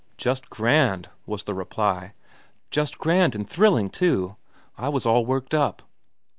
"Just grand," was the reply. "Just grand, an' thrilling, too. I was all worked up."